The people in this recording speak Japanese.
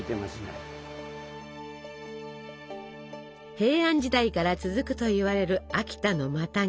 平安時代から続くといわれる秋田のマタギ。